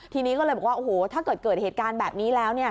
ทีนี้ก็เลยบอกว่าโอ้โหถ้าเกิดเกิดเหตุการณ์แบบนี้แล้ว